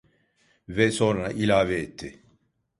Ve sonra ilave etti: